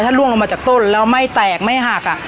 ล่วงลงมาจากต้นแล้วไม่แตกไม่หัก